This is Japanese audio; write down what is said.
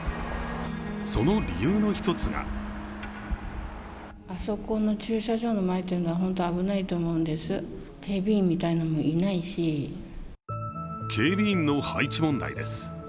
その理由の１つが警備員の配置問題です。